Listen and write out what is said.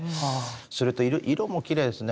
それと色もきれいですね